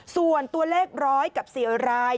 ส่วนตัวเลขร้อยกับสีราย